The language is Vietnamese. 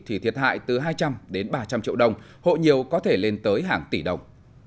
thì thiệt hại từ hai trăm linh đến ba trăm linh triệu đồng hộ nhiều có thể lên tới hàng tỷ đồng